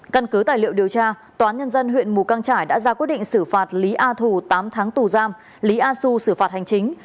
căn cứ tài liệu điều tra tòa án nhân dân huyện mù căng trải đã ra quyết định xử phạt lý a thù tám tháng tù giam lý a xu xử phạt hành chính